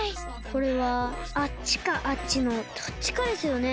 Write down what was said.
これはあっちかあっちのどっちかですよね。